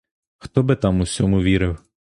Хто би там усьому вірив.